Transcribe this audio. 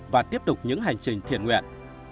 và tiếp tục những hành trình thiền nguyện